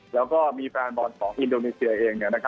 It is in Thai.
แล้วก็มีแฟนบอลของอินโดนีเซียเอง